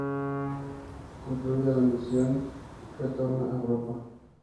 Concluida la misión retorna a Europa.